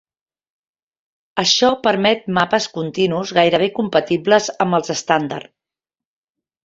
Això permet mapes continus gairebé compatibles amb els estàndard.